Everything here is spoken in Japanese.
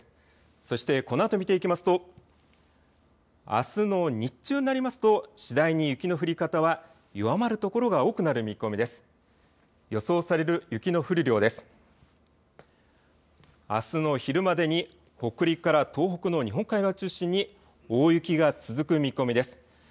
そしてこのあと見ていきますとあすの日中になりますと次第に雪の降り方は弱まる所が多くなる見込みです。